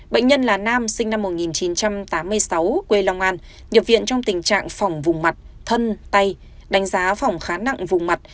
bệnh nhân là nam sinh năm một nghìn chín trăm tám mươi sáu quê long an nhập viện trong tình trạng phòng vùng mặt thân tay đánh giá phòng khá nặng vùng mặt